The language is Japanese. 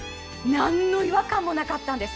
なんの違和感もなかったです。